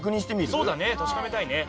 そうだね確かめたいね。